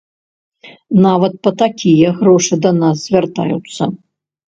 Нават па такія грошы да нас звяртаюцца.